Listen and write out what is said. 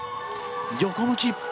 横向き。